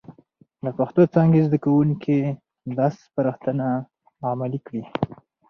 د پښتو څانګې زده کوونکي دا سپارښتنه عملي کړي،